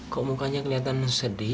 kok mukanya keliatan sedih